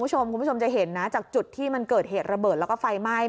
คุณผู้ชมคุณผู้ชมจะเห็นนะจากจุดที่มันเกิดเหตุระเบิดแล้วก็ไฟไหม้